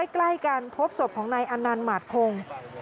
ใกล้กันพบสอบของนายอำนาจหมาดครง